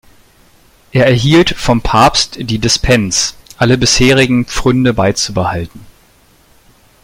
Er erhielt vom Papst die Dispens, alle bisherigen Pfründen beizubehalten.